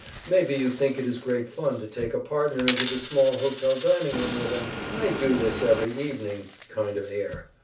Maybe you think it is great fun to take a partner into the small hotel dining room with an "I do this every evening" kind of air.